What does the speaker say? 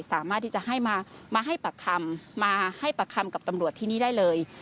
สามารถที่จะให้มาให้ปากคำมาให้ปากคำกับตำรวจที่นี่ได้เลย